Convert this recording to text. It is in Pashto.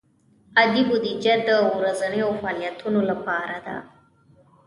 عادي بودیجه د ورځنیو فعالیتونو لپاره ده.